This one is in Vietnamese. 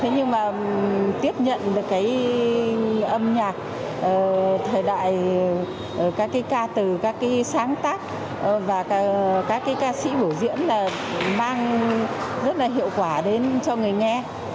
nhưng tiếp nhận được âm nhạc thời đại các ca từ các sáng tác và các ca sĩ bổ diễn mang rất hiệu quả cho người nghe